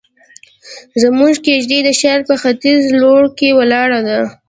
زموږ کيږدۍ د ښار په ختيز لور کې ولاړه ده.